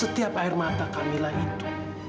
setiap air mata kamila itu